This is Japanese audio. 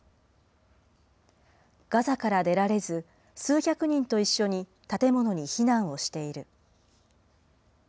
ガザから出られず、数百人と一緒に建物に避難をしている。